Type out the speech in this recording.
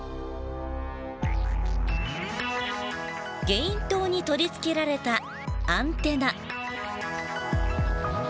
ゲイン塔に取り付けられたアンテナ。